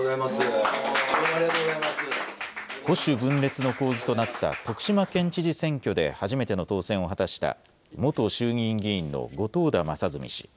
保守分裂の構図となった徳島県知事選挙で初めての当選を果たした元衆議院議員の後藤田正純氏。